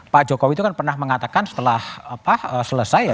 pak jokowi itu kan pernah mengatakan setelah selesai ya